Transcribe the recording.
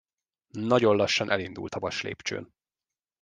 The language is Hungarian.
Nagyon lassan elindult a vaslépcsőn.